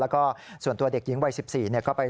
แล้วก็ส่วนตัวเด็กหญิงวัย๑๔ก็ไปสอบปากคำ